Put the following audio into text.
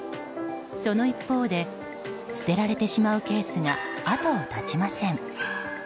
その一方で捨てられてしまうケースが後を絶ちません。